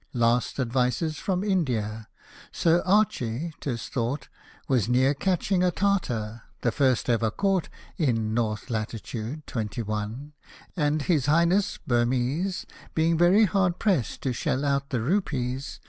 Last advices from India — Sir Archy, 'tis thought, Was near catching a Tartar (the first ever caught In N. Lat. 21) — and his Highness Burmese, Being very hard pressed to shell out the rupees.